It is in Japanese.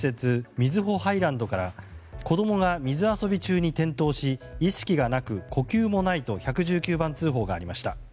瑞穂ハイランドから子供が水遊び中に転倒し意識がなく呼吸もないと１１９番通報がありました。